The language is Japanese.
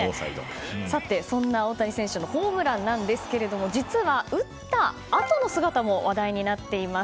そんな大谷選手のホームランなんですが実は打ったあとの姿も話題になっています。